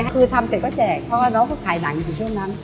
คือทำเสร็จก็แจกเพราะว่าน้องเขาขายหนังอยู่ช่วงนั้น